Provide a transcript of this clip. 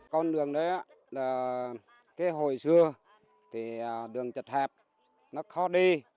con đường đấy là cái hồi xưa thì đường chật hẹp nó khó đi